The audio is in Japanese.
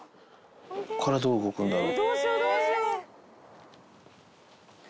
こっからどう動くんだろう？